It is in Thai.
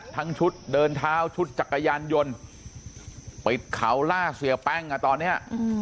ทั้งชุดเดินเท้าชุดจักรยานยนต์ปิดเขาล่าเสียแป้งอ่ะตอนเนี้ย